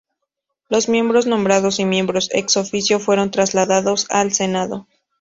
Los miembros nombrados y miembros "ex oficio" fueron trasladados al Senado.